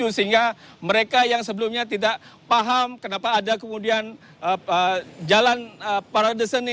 sehingga mereka yang sebelumnya tidak paham kenapa ada kemudian jalan parade seni